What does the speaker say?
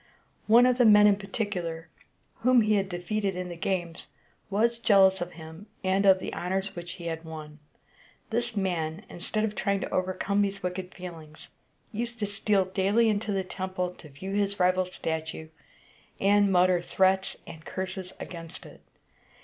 One of the men in particular, whom he had defeated in the games, was jealous of him, and of the honors which he had won. This man, instead of trying to overcome these wicked feelings, used to steal daily into the temple to view his rival's statue, and mutter threats and curses against it.